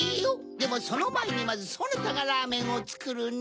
でもそのまえにまずそなたがラーメンをつくるネ。